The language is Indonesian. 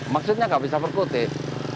maksudnya nggak bisa perkutik